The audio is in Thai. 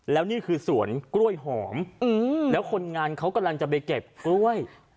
แล้วนี่คือสวนกล้วยหอมแล้วคนงานเขากำลังจะไปเก็บกล้วย